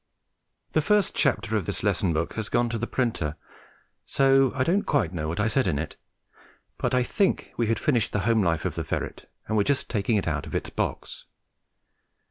The first chapter of this lesson book has gone to the printer, so I don't quite know what I said in it, but I think we had finished the home life of the ferret and were just taking it out of its box.